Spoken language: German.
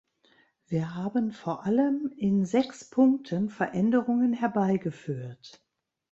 Wir haben vor allem in sechs Punkten Veränderungen herbeigeführt.